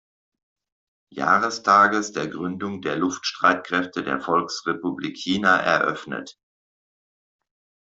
Jahrestages der Gründung der Luftstreitkräfte der Volksrepublik China eröffnet.